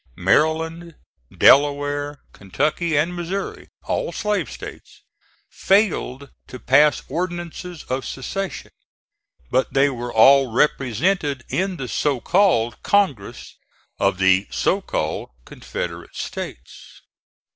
Maryland, Delaware, Kentucky and Missouri, all Slave States, failed to pass ordinances of secession; but they were all represented in the so called congress of the so called Confederate States.